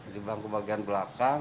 di bangku bagian belakang